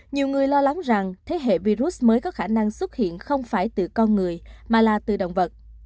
nhiều người lo lắng rằng thế hệ virus mới có khả năng xuất hiện không phải từ con người mà là từ động vật